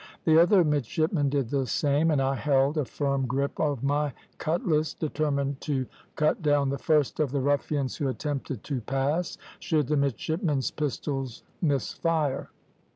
The other midshipmen did the same, and I held a firm grip of my cutlass, determined to cut down the first of the ruffians who attempted to pass, should the midshipmen's pistols miss fire.